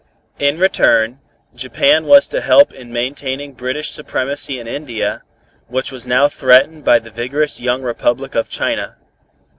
In return, Japan was to help in maintaining British supremacy in India, which was now threatened by the vigorous young Republic of China.